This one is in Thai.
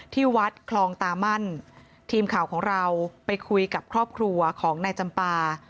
ที่วัดคลองตามั่นทีมข่าวของเราไปคุยกับครอบครัวของนายจำปา